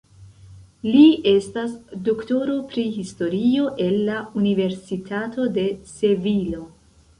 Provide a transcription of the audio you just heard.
Li estas doktoro pri Historio el la Universitato de Sevilo.